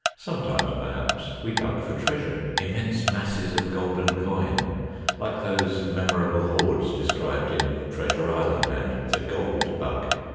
Sometimes, perhaps, we dug for treasure, immense masses of golden coin > like those memorable hoards described in "Treasure Island" and the "Gold Bug."